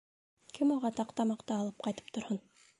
Кем уға таҡта-маҡта алып ҡайтып торһон.